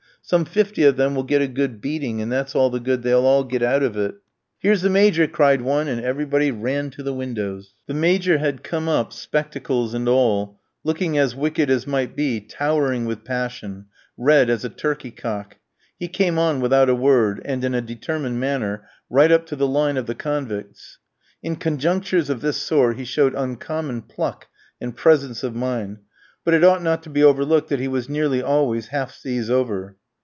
"Some fifty of them will get a good beating, and that's all the good they'll all get out of it." "Here's the Major!" cried one; everybody ran to the windows. The Major had come up, spectacles and all, looking as wicked as might be, towering with passion, red as a turkey cock. He came on without a word, and in a determined manner, right up to the line of the convicts. In conjunctures of this sort he showed uncommon pluck and presence of mind; but it ought not to be overlooked that he was nearly always half seas over.